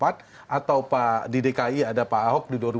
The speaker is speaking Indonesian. atau di dki ada pak ahok di dua ribu dua puluh